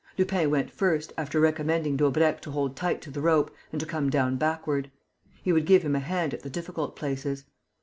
Lupin went first, after recommending Daubrecq to hold tight to the rope and to come down backward. He would give him a hand at the difficult places.